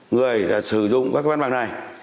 người sử dụng các văn bằng này